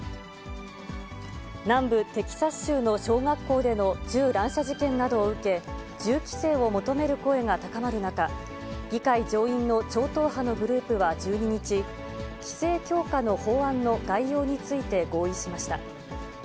南部テキサス州の小学校での銃乱射事件などを受け、銃規制を求める声が高まる中、議会上院の超党派のグループは１２日、規制強化の法案の概要について合意しました。